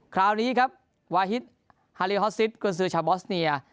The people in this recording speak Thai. คราวนี้ครับวาฮิตฮาลีฮอสซิสกุญสือชาวบอสเนีย